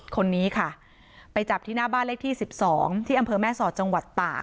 คนนี้ค่ะไปจับที่หน้าบ้านเลขที่๑๒ที่อำเภอแม่สอดจังหวัดตาก